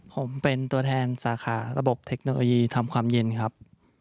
ผมเป็นตัวแทนสาขาระบบเทคโนโลยีทำความเย็นครับ